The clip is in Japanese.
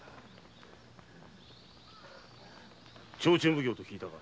提灯奉行と聞いたが？